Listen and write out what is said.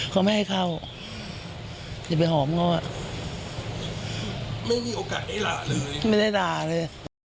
เขาไม่ให้เข้าอย่าไปหอมเขาไม่มีโอกาสได้ลาเลยไม่ได้ด่าเลย